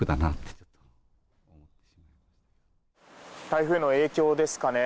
台風の影響ですかね。